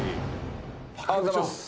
おはようございます。